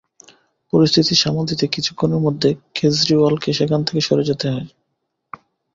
পরিস্থিতি সামাল দিতে কিছুক্ষণের মধ্যে কেজরিওয়ালকে সেখান থেকে সরে যেতে হয়।